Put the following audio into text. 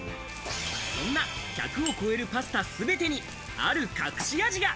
そんな１００を超えるパスタ全てに、ある隠し味が。